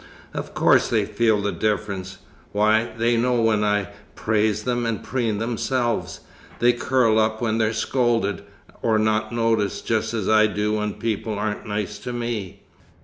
Of course they feel the difference! Why, they know when I praise them, and preen themselves. They curl up when they're scolded, or not noticed, just as I do when people aren't nice to me.